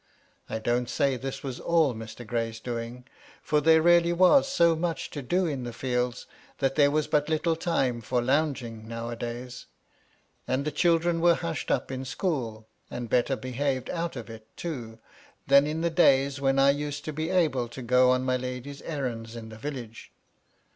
I don't say this was all Mr. Gray's doing, for there really was so much to do in the fields that there was but little time for lounging now a days. And the children were hushed up in school, and better behaved out of it, too, than in the days when I used to be able to go my lady's errands in the village.